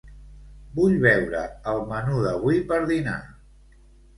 Vull veure el menú d'avui per dinar.